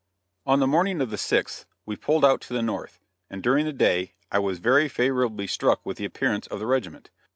On the morning of the 6th we pulled out to the north, and during the day I was very favorably struck with the appearance of the regiment.